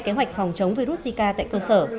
kế hoạch phòng chống virus zika tại cơ sở